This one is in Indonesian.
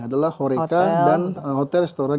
adalah horica dan hotel restoran